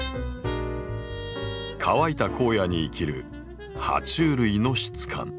乾いた荒野に生きるは虫類の質感。